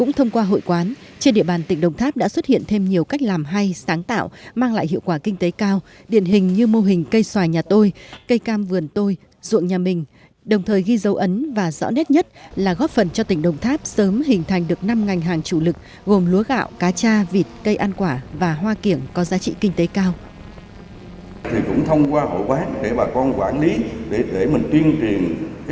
mỗi hội quán ở đồng tháp có từ ba mươi đến một trăm linh người đa phần đều là nông dân cùng sản xuất chung một ngành nghề như làm bột hoa kiểng các loại cây ăn quả như làm bột không ngân sách nhàn hước